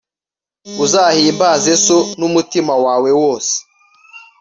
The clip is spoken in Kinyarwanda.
uzahimbaze so n'umutima wawe wose